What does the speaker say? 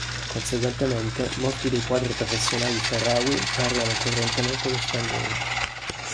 Conseguentemente molti dei quadri professionali Sahrawi parlano correntemente lo spagnolo.